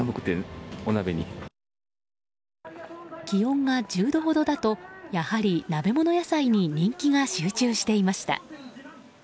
気温が１０度ほどだとやはり鍋物野菜に人気が集中していました。